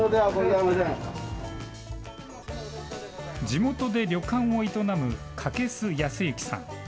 地元で旅館を営む掛須保之さん。